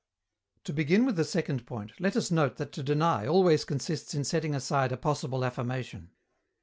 To begin with the second point, let us note that to deny always consists in setting aside a possible affirmation.